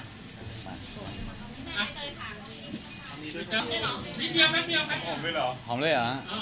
อ๋อเหมือนเดี๋ยวทีหลังก็ได้